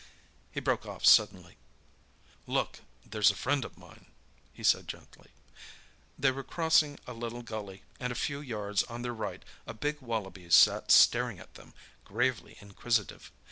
He broke off suddenly. "Look, there's a friend of mine!" he said gently. They were crossing a little gully, and a few yards on their right a big wallaby sat staring at them, gravely inquisitive.